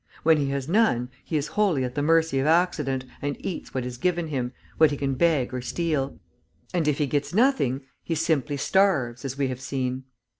When he has none, he is wholly at the mercy of accident, and eats what is given him, what he can beg or steal. And, if he gets nothing, he simply starves, as we have seen.